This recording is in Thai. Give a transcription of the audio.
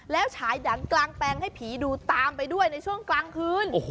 แล้วฉายหนังกลางแปลงให้ผีดูตามไปด้วยในช่วงกลางคืน